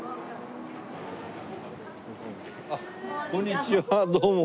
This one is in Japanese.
こんにちはどうも。